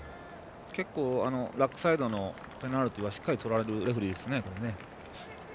結構、ラックサイドのペナルティーはしっかりとられるレフリーですね。